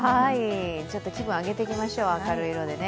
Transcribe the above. ちょっと気分を上げていきましょう、明るい色でね。